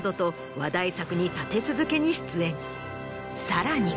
さらに。